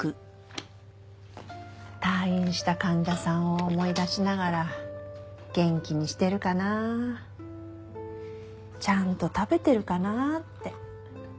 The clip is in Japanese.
退院した患者さんを思い出しながら元気にしてるかなちゃんと食べてるかなって。